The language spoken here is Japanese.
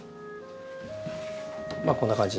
まあこんな感じ。